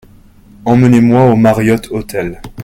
Emmenez-moi au Mariott Hotel.